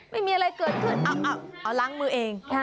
ไม่มีอะไรเกิดขึ้นเอาล้างมือเอง